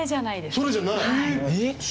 それじゃない？